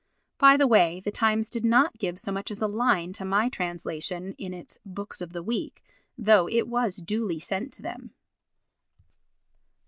By the way the Times did not give so much as a line to my translation in its "Books of the Week," though it was duly sent to them.